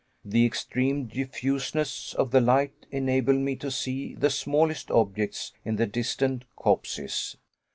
The extreme diffuseness of the light enabled me to see the smallest objects in the distant copses.